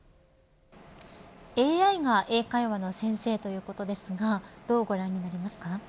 ＡＩが英会話の先生ということですがどうご覧になりましたか。